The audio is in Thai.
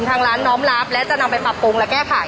ทางร้านน้อมรับและจะนำไปปรับปรุงและแก้ไข